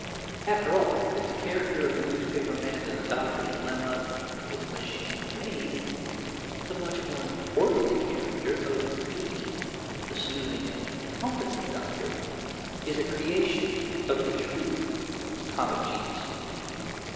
After all, if the character of the newspaper man in The Doctor's Dilemma is machine made, the much more important character of B.B., the soothing and incompetent doctor, is a creation of the true comic genius.